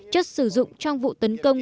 chất sử dụng trong vụ tấn công